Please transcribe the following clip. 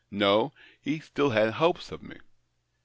'' No, he still had hopes of me.